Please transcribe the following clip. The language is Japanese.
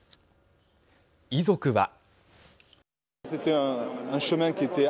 遺族は。